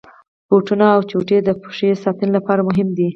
بوټونه او چوټي د پښې ساتني لپاره مهمي دي.